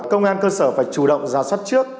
công an cơ sở phải chủ động ra soát trước